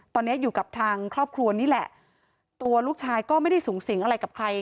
ตอนนี้อยู่กับทางครอบครัวนี่แหละตัวลูกชายก็ไม่ได้สูงสิงอะไรกับใคร